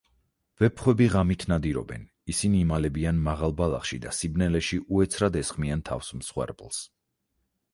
ვეფხვები ღამით ნადირობენ, ისინი იმალებიან მაღალ ბალახში და სიბნელეში უეცრად ესხმიან თავს მსხვერპლს.